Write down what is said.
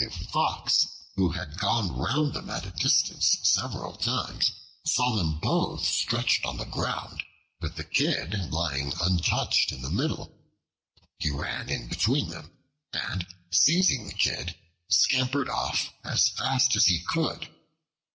A Fox, who had gone round them at a distance several times, saw them both stretched on the ground with the Kid lying untouched in the middle. He ran in between them, and seizing the Kid scampered off as fast as he could.